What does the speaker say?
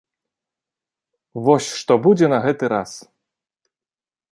Вось што будзе на гэты раз.